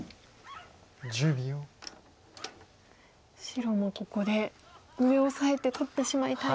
白もここで上をオサえて取ってしまいたい。